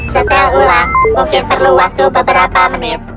setel ulang mungkin perlu waktu beberapa menit